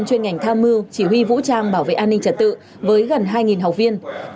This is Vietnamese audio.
chuyên ngành tham mưu chỉ huy vũ trang bảo vệ an ninh trật tự với gần hai học viên